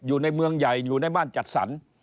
อยู่ในเมืองใหญ่อยู่ในบ้านจัดสรร